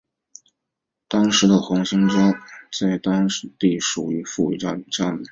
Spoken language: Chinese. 当时的黄兴家在当地属于富裕家门。